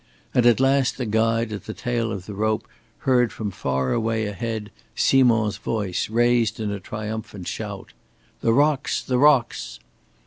And at last the guide at the tail of the rope heard from far away ahead Simond's voice raised in a triumphant shout. "The rocks! The rocks!"